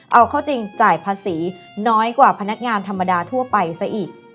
เอาเข้าจริงจ่ายภาษีน้อยกว่าพนักงานธรรมดาทั่วไปซะอีก